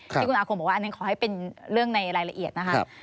ที่คุณอาคมบอกว่าอันนั้นขอให้เป็นเรื่องในรายละเอียดนะคะ